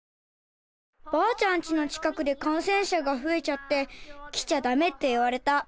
ばあちゃんちの近くでかんせんしゃがふえちゃって「来ちゃダメ」って言われた。